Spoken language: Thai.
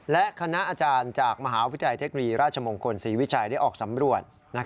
และคณะอาจารย์จากมหาวิทยาลัยเทคโนโลยีราชมงคลศรีวิชัยได้ออกสำรวจ